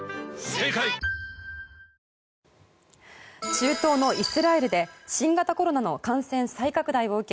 中東のイスラエルで新型コロナの感染再拡大を受け